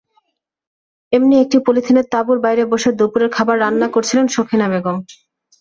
এমনি একটি পলিথিনের তাঁবুর বাইরে বসে দুপুরের খাবার রান্না করছিলেন সখিনা বেগম।